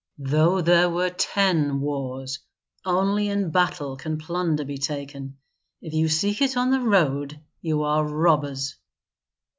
"Though there were ten wars, only in battle can plunder be taken; if you seek it on the road, you are robbers."